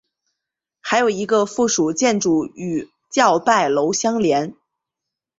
还有一个附属建筑与叫拜楼相连。